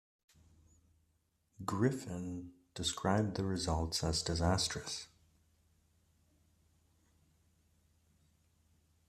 Griffin described the results as "disastrous".